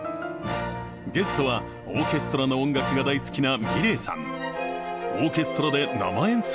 ゲストはオーケストラの音楽が大好きなｍｉｌｅｔさん。